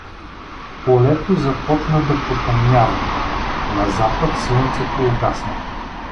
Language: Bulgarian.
Полето започна да потъмнява, на запад слънцето угасна.